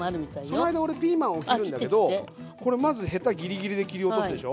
その間俺ピーマンを切るんだけどこれまずヘタぎりぎりで切り落とすでしょ。